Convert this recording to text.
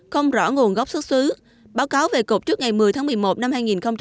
không rõ nguồn gốc xuất xứ báo cáo về cục trước ngày một mươi tháng một mươi một năm hai nghìn một mươi chín